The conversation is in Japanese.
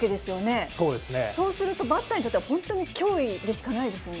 そうするとバッターにとっては、本当に脅威でしかないですね。